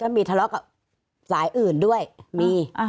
มีทะเลาะกับสายอื่นด้วยมี